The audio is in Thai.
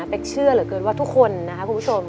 เป็นเชื่อเหลือเกินว่าทุกคนคุณผู้ชม